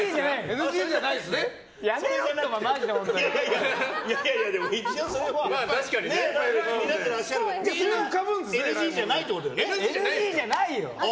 ＮＧじゃないよ！